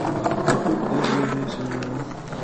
Il coupe deux oreilles ce jour-là.